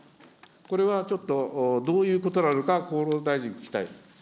これはちょっとどういうことなのか、厚労大臣に聞きたい。